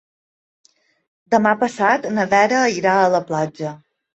Demà passat na Vera irà a la platja.